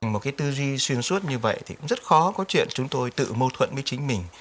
một cái tư duy xuyên suốt như vậy thì cũng rất khó có chuyện chúng tôi tự mâu thuẫn với chính mình